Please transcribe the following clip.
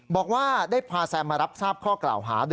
บอกว่าได้พาแซมมารับทราบข้อกล่าวหา